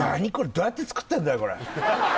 どうやって作ってんだよ